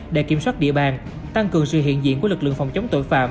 để kiểm soát địa bàn tăng cường sự hiện diện của lực lượng phòng chống tội phạm